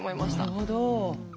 なるほど。